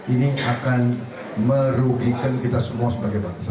ini akan merugikan kita semua sebagai bangsa